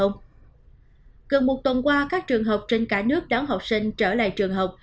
gần một tuần qua các trường học trên cả nước đón học sinh trở lại trường học